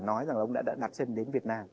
nói rằng là ông đã đặt trên đến việt nam